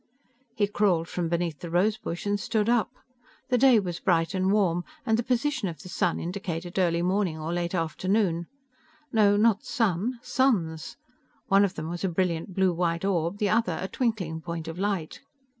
He crawled from beneath the rosebush and stood up. The day was bright and warm, and the position of the sun indicated early morning or late afternoon. No, not sun suns. One of them was a brilliant blue white orb, the other a twinkling point of light.